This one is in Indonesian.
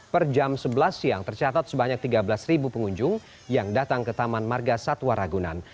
per jam sebelas siang tercatat sebanyak tiga belas pengunjung yang datang ke taman marga satwa ragunan